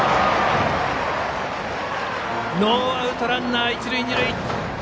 ノーアウトランナー、一塁二塁。